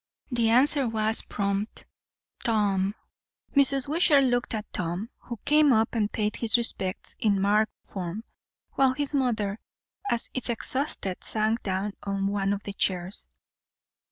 The answer was prompt. "Tom." Mrs. Wishart looked at Tom, who came up and paid his respects in marked form; while his mother, as if exhausted, sank down on one of the chairs.